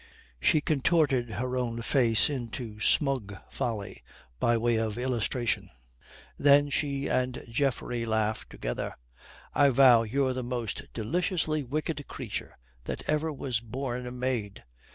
She contorted her own face into smug folly by way of illustration. Then she and Geoffrey laughed together. "I vow you're the most deliciously wicked creature that ever was born a maid."